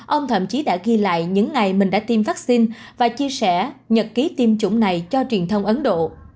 ông thậm chí đã ghi lại những ngày mình đã tiêm vaccine và chia sẻ nhật ký tiêm chủng này cho truyền thông ấn độ